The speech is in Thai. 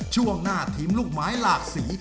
ช่วงหน้าทีมลูกไม้หลากสี